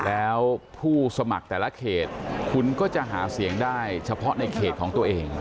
แล้วผู้สมัครแต่ละเขตคุณก็จะหาเสียงได้เฉพาะในเขตของตัวเอง